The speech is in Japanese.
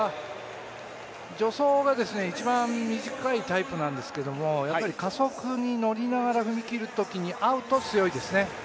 助走が一番短いタイプなんですけど、加速にのりながら踏み切るときに合うと強いですね。